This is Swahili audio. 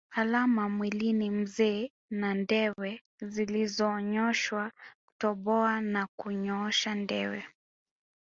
Alama mwilini mzee na ndewe zilizonyooshwa Kutoboa na kunyosha ndewe